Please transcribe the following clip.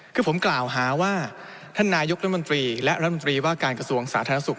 คือผมกล่าวหาท่านนายกรัฐมนตรีและรัฐมนตรีว่าการกระทรวงศาลนักศึกษ์